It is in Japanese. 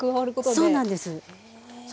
そうなんです。